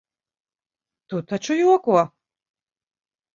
Tu taču joko?